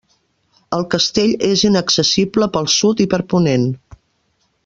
El castell és inaccessible pel sud i per ponent.